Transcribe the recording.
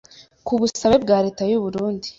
ku busabe bwa Leta y’u Burundi,